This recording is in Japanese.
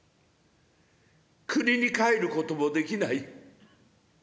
国に帰ることもできない。